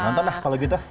nonton lah kalau gitu